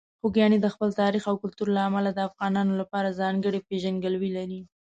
خوږیاڼي د خپل تاریخ او کلتور له امله د افغانانو لپاره ځانګړې پېژندګلوي لري.